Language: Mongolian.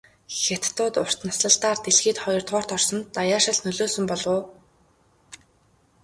Хятадууд урт наслалтаар дэлхийд хоёрдугаарт орсонд даяаршил нөлөөлсөн болов уу?